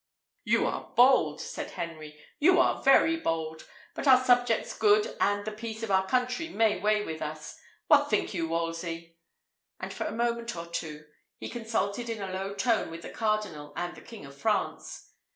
"You are bold!" said Henry; "you are very bold! but our subjects' good and the peace of our country may weigh with us. What think you, Wolsey?" And for a moment or two he consulted in a low tone with the cardinal and the King of France.